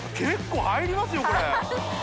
觜入りますよこれ。